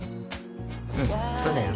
うんそうだよ。